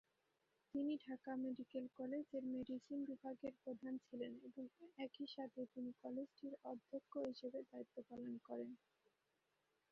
তিনি ঢাকা মেডিকেল কলেজের মেডিসিন বিভাগের প্রধান ছিলেন, এবং একই সাথে তিনি কলেজটির অধ্যক্ষ হিসেবে দায়িত্ব পালন করেন।